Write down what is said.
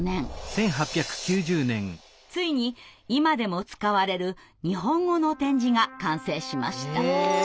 ついに今でも使われる日本語の点字が完成しました。